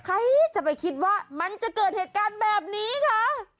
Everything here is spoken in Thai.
ใครจะไปคิดว่ามันจะเกิดเหตุการณ์แบบนี้คะ